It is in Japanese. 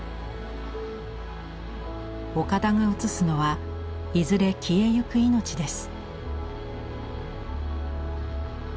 岡田が写すのはいずれ消えゆく命です。